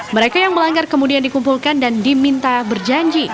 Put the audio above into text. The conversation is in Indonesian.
mereka yang melanggar kemudian dikumpulkan dan diminta berjanji